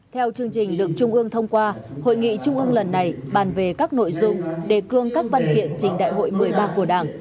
theo chương trình được trung ương thông qua hội nghị trung ương lần này bàn về các nội dung đề cương các văn kiện trình đại hội một mươi ba của đảng